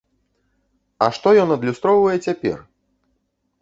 А што ён адлюстроўвае цяпер?